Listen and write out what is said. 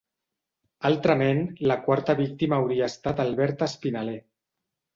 Altrament, la quarta víctima hauria estat Albert Espinaler.